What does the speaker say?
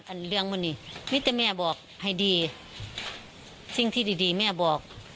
เรื่องมันนี่มีแต่แม่บอกให้ดีสิ่งที่ดีดีแม่บอก